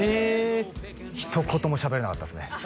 ひと言もしゃべれなかったですね